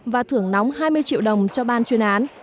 và thưởng nóng hai mươi triệu đồng cho ban chuyên án